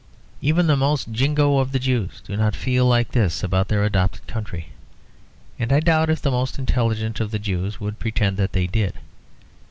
Even the most Jingo of the Jews do not feel like this about their adopted country; and I doubt if the most intelligent of the Jews would pretend that they did.